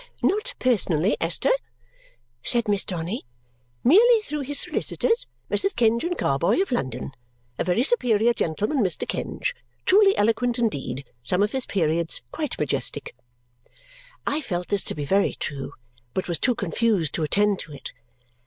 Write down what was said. "Not personally, Esther," said Miss Donny; "merely through his solicitors, Messrs. Kenge and Carboy, of London. A very superior gentleman, Mr. Kenge. Truly eloquent indeed. Some of his periods quite majestic!" I felt this to be very true but was too confused to attend to it.